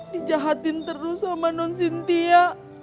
dijahatin terus sama non cynthia